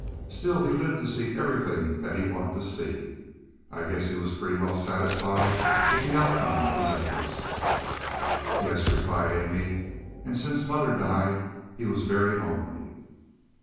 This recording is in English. Still, he lived to see everything that he wanted to see. I guess he was pretty well satisfied with the outcome of his efforts." "Yes," replied Amy, "and since mother died he was very lonely."